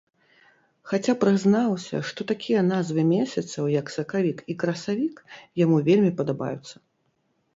Хаця прызнаўся, што такія назвы месяцаў, як сакавік і красавік, яму вельмі падабаюцца.